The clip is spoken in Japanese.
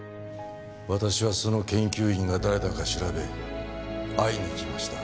私はその研究員が誰だか調べ会いに行きました。